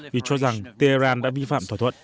vì cho rằng tehran đã vi phạm thỏa thuận